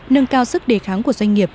nâng cao sức đề kháng của doanh nghiệp